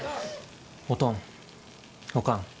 おとんおかん。